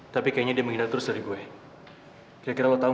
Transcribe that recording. tapi bukannya lu mestinya pergi sama ratu